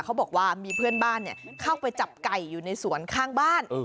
เขาบอกว่ามีเพื่อนบ้านเข้าไปจับไก่อยู่ในสวนข้างบ้าน